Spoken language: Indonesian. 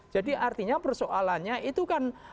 jadi artinya persoalannya itu kan